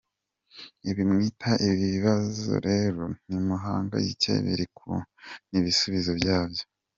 Ibi mwita ibibazo rero ntimuhangayike biri kumwe n’ibisubizo byabyo.